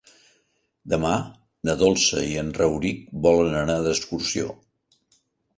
Demà na Dolça i en Rauric volen anar d'excursió.